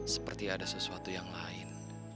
seperti ada sesuatu yang lain